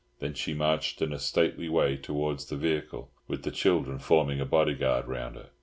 Then she marched in a stately way towards the vehicle, with the children forming a bodyguard round her.